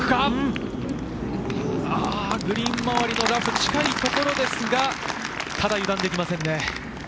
グリーン周りのラフ、近いところですが油断できませんね。